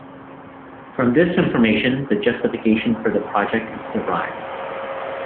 From this information, the justification for the project is derived.